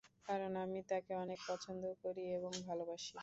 কারণ আমি তাকে অনেক পছন্দ করি এবং ভালোবাসি।